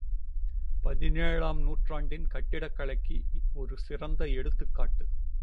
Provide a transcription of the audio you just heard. பதினேழாம் நூற்றாண்டின் கட்டிடக் கலைக்கு ஒரு சிறந்த எடுத்துக்காட்டு.